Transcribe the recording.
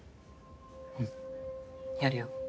うんやるよ。